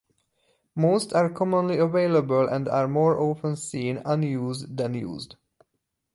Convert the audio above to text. Most are commonly available and are more often seen unused than used.